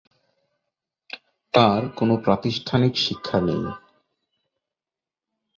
তাঁর কোনো প্রাতিষ্ঠানিক শিক্ষা নেই।